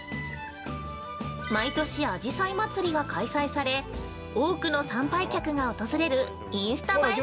毎年、あじさい祭りが開催され多くの参拝客が訪れるインスタ映え